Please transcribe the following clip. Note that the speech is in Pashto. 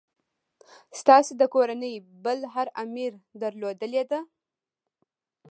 ستاسي د کورنۍ بل هر امیر درلودلې ده.